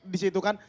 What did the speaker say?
di situ kan